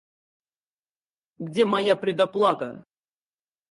Где моя предоплата?